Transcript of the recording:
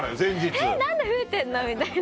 えっ何で増えてんの？みたいな。